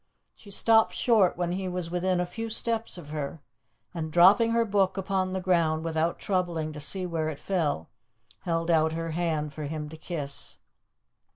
She stopped short when he was within a few steps of her, and, dropping her book upon the ground without troubling to see where it fell, held out her hand for him to kiss.